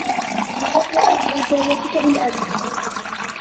حصلتُ على رسالتك بالأمس.